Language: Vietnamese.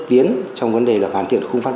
tiến trong vấn đề là phản tiện khung phát